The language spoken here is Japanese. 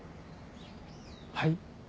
はい？